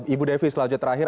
ibu devi selanjutnya terakhir